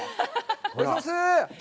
おはようございます。